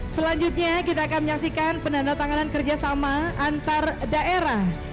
selanjutnya kita akan menyaksikan penandatanganan kerjasama antar daerah